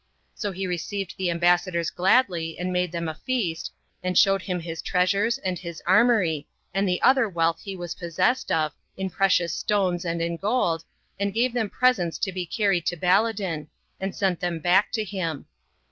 So he received the ambassadors gladly, and made them a feast, and showed them his treasures, and his armory, and the other wealth he was possessed of, in precious stones and in gold, and gave them presents to be carried to Baladan, and sent them back to him.